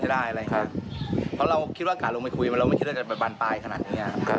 เพราะเราก็คิดว่ากลักกายลงมาคุยมาแล้วเราไม่คิดว่าก็จะไปบันตรายขนาดนี้